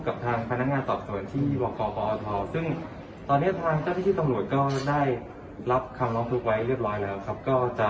ครับทางพนักงานต่อกรรย์ส่วนที่บปทซึ่งตอนนี้ทางเจ้าได้ก็ได้รับคำลองคุกไว้เรียบร้อยแล้วครับก็จะ